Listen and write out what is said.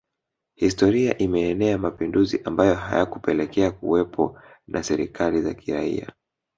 Historia imeenea mapinduzi ambayo hayakupelekea kuwepo na serikali za kiraia